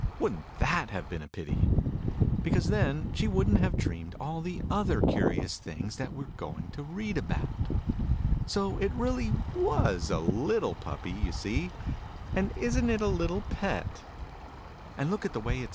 Wouldn't that have been a pity ? Because then she wouldn't have dreamed all the other curious things that we re going to read about. So it really teas a little Puppy, you see. And isn't it a little pet ? And look at the way Digitized by Google 22 THE NURSERY " ALICE."